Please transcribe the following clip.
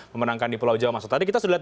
memenangkan di pulau jawa tadi kita sudah lihat